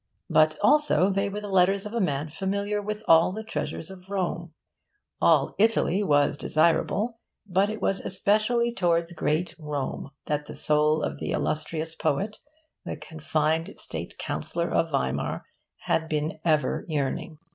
But also they were the letters of a man familiar with all the treasures of Rome. All Italy was desirable; but it was especially towards great Rome that the soul of the illustrious poet, the confined State Councillor of Weimar, had been ever yearning.